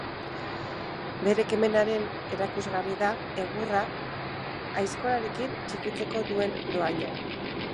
Bere kemenaren erakusgarri da egurra aizkorarekin txikitzeko duen dohaina.